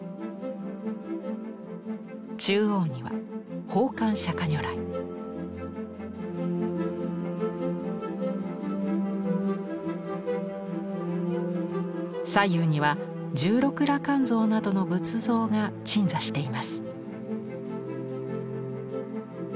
中央には左右には十六羅漢像などの仏像が鎮座しています。